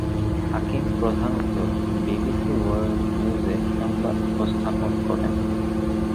হাকিম প্রধানত "BBC world নিউজে" সংবাদ উপস্থাপন করেন।